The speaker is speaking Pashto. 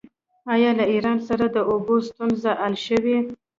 آیا له ایران سره د اوبو ستونزه حل شوې؟